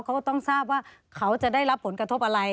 เขาก็ต้องทราบว่าเขาจะได้รับผลกระทบอะไร